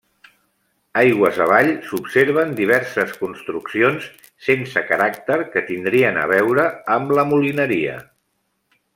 Aigües avall s'observen diverses construccions sense caràcter que tindrien a veure amb la molineria.